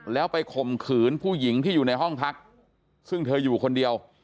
แล้วไปข่มขืนผู้หญิงที่อยู่ในห้องพักซึ่งเธออยู่คนเดียว